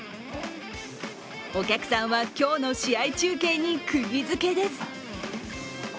お客さんは、今日の試合中継にくぎづけです。